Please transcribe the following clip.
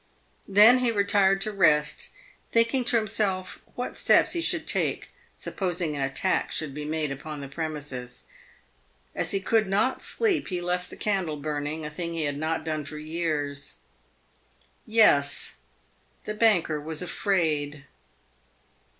Then he retired to rest, thinking to PAVED WITH GOLD. 389 himself what steps he should take supposing an attack should be made upon the premises. As he could not sleep, he left the candle burning, a thing he had not done for years. Yes, the banker was afraid.